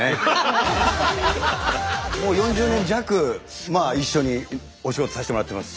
もう４０年弱一緒にお仕事させてもらってます。